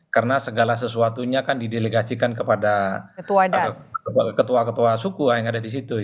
karena segala sesuatunya kan didilegaskan kepada ketua ketua suku yang ada di situ